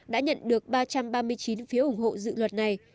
đã nhận được ba trăm ba mươi chín phiếu ủng hộ dự luật này